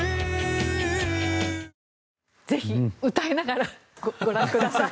ぜひ歌いながらご覧ください。